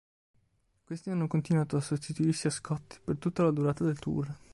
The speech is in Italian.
Questi hanno continuato a sostituirsi a "Scotty" per tutta la durata del tour.